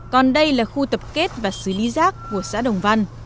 còn đây là khu tập kết và xử lý rác của xã đồng văn